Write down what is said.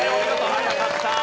早かった。